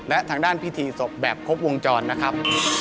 และทางด้านพิธีศพแบบครบวงจรนะครับ